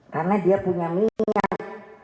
karena dia punya minyak